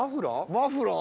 マフラー？